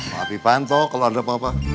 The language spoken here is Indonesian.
papi pantau kalo ada apa apa